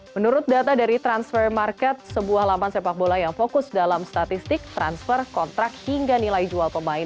menurut data dari transfer market sebuah laman sepak bola yang fokus dalam statistik transfer kontrak hingga nilai jual pemain